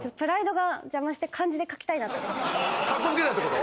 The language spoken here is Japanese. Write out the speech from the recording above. カッコつけたってこと？